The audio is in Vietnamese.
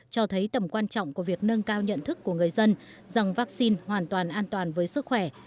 cho thấy tầm quan trọng của việc nâng cao nhận thức của người dân rằng vaccine hoàn toàn an toàn với sức khỏe